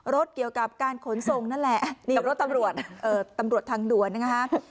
รถเกี่ยวกับการขนทรงนั่นแหละรถตำรวจเอ่อตำรวจทางด่วนนะคะ